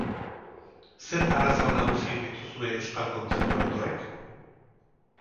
Zer arazo nagusi dituzue euskal kontzertu aretoek?